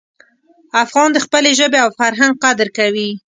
افغان د خپلې ژبې او فرهنګ قدر کوي.